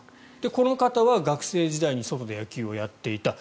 この方は学生時代に外で野球をやっていた。